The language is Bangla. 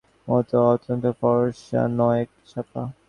গড়ন পাতলা পাতলা, রং অপুর মতো অতটা ফরসা নয়, একটু চাপা।